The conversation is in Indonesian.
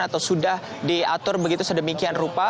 atau sudah diatur begitu sedemikian rupa